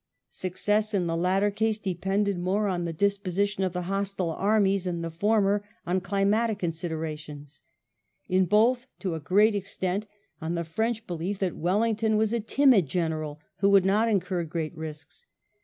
Success in the latter case depended more on the disposition of the hostile armies, in the former on climatic considerations; in both, to a great extent, on the French belief that Wellington was a timid general who would not incur great risks.